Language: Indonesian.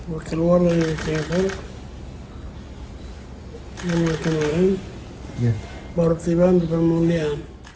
baru tiba tiba mulia